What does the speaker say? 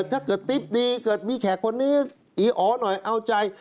ถ้าเกิดติ๊บดีเกิดมีแขกคนนี้อี๋อ๋หน่อยเอาใจ